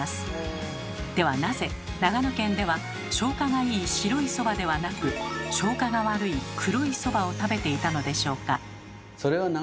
ではなぜ長野県では消化がいい白いそばではなく消化が悪い黒いそばを食べていたのでしょうか？